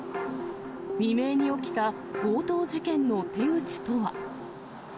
未明に起きた強盗事件の手口とは。